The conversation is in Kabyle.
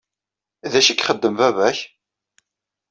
D acu ay ixeddem baba-k?